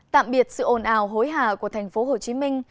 tạm biệt sự ồn ào hối hà của thành phố hồ chí minh